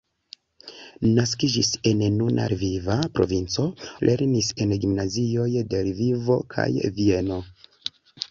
Naskiĝis en nuna Lviva provinco, lernis en gimnazioj de Lvivo kaj Vieno.